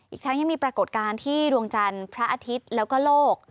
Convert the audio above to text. อีกทั้งยังมีปรากฏการณ์ที่ดวงจันทร์พระอาทิตย์แล้วก็โลก